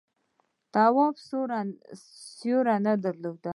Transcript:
تواب سیوری نه درلود.